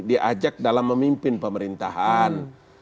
diajak dalam memimpin pemerintahan